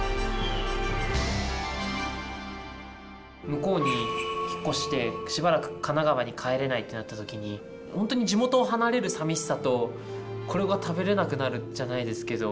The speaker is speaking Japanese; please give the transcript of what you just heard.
向こうに引っ越してしばらく神奈川に帰れないってなった時に本当に地元を離れる寂しさとこれが食べれなくなるじゃないですけど